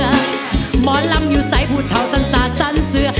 หมอลำอยู่ใส่ผูดเทาสันสาสันเสือ